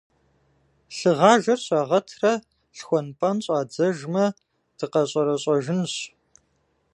Лъыгъажэр щагъэтрэ лъхуэн-пӀэн щӀадзэжмэ, дыкъэщӀэрэщӀэжынщ.